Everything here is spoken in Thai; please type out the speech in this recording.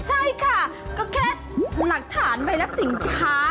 ใช่ค่ะก็แค่หลักฐานใบรับสินค้า